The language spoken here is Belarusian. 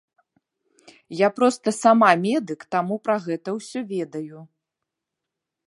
Я проста сама медык, таму пра гэта ўсё ведаю.